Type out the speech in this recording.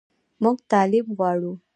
موږ تعلیم غواړو